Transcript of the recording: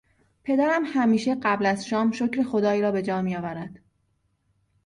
پدرم همیشه قبل از شام شکر خدای را به جا میآورد.